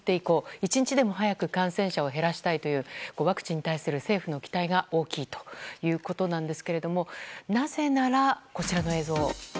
１日でも早く感染者を減らしたいというワクチンに対する政府の期待が大きいということなんですけれどもなぜならこちらの映像を。